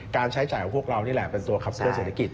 ใช้จ่ายของพวกเรานี่แหละเป็นตัวขับเคลื่อเศรษฐกิจ